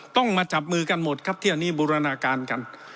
ต้องมาจับมือกันหมดครับที่อันนี้บูรณาการกัน